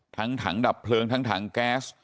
ทั้งถังดับเพลิงทั้งถังแก๊ส